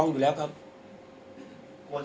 คุณพูดไว้แล้วตั้งแต่ต้นใช่ไหมคะ